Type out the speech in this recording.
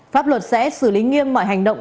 pháp luật sẽ xử lý nghiêm mọi hành động